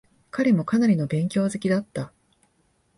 彼もかなりの勉強好きだった。